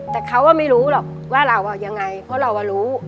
แต่เขาไม่รู้หรอกว่าเรายังไงเพราะเรารู้